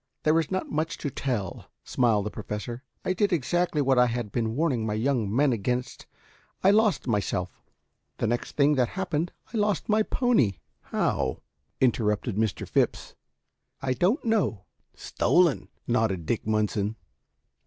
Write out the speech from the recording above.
"There is not much to tell," smiled the Professor. "I did exactly what I had been warning my young men against. I lost myself. Then the next thing that happened, I lost my pony." "How?" interrupted Mr. Phipps. "I don't know." "Stolen," nodded Dick Munson.